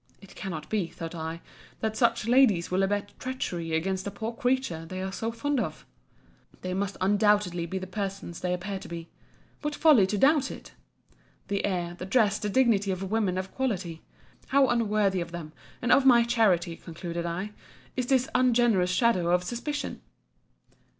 —It cannot be, thought I, that such ladies will abet treachery against a poor creature they are so fond of. They must undoubtedly be the persons they appear to be—what folly to doubt it! The air, the dress, the dignity of women of quality. How unworthy of them, and of my charity, concluded I, is this ungenerous shadow of suspicion!